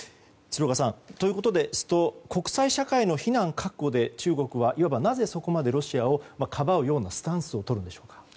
鶴岡さん、ということですと国際社会の非難覚悟で中国はそこまでロシアをかばうようなスタンスをとるんでしょうか。